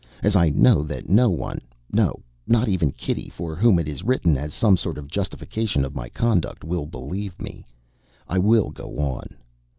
As I know that no one no, not even Kitty, for whom it is written as some sort of justification of my conduct will believe me, I will go on.